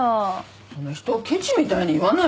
そんな人をケチみたいに言わないでよ。